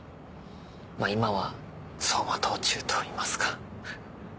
まっ今は走馬灯中といいますか。